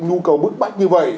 nhu cầu bức bách như vậy